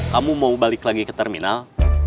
kamu mau balik lagi ke terminal